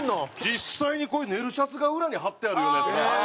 実際にこういうネルシャツが裏に張ってあるようなやつが。